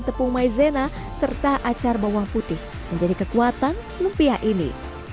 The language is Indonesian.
dan tepung maizena serta acar bawang putih menjadi kekuatan lumpia ini